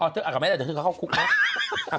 อ๋อเจออากาศไหมแต่เดี๋ยวเขาเข้าคุกไหม